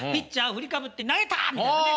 振りかぶって投げた！みたいなね。